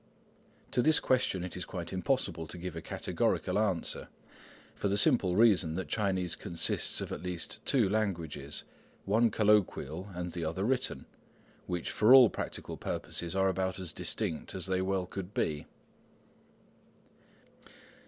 To this question it is quite impossible to give a categorical answer, for the simple reason that Chinese consists of at least two languages, one colloquial and the other written, which for all practical purposes are about as distinct as they well could be.